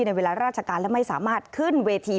ในเวลาราชการและไม่สามารถขึ้นเวที